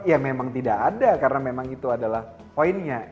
ya memang tidak ada karena memang itu adalah poinnya